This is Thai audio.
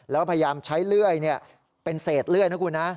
แล้วพยายามใช้เลื่อยเป็นเศษเลื่อยนะคุณนะ